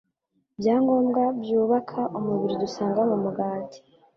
byangombwa byubaka umubiri dusanga mu mugati